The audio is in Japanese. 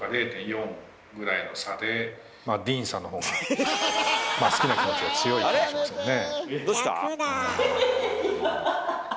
ディーンさんの方が好きな気持ちが強いかもしれませんね。